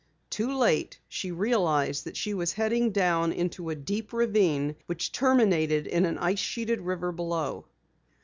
Too late, she realized that she was heading down into a deep ravine which terminated in an ice sheeted river below.